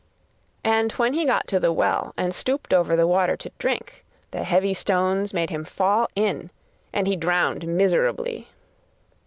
And when he got to the well and stooped over the water to drink, the heavy stones made him fall in, and he drowned miserably.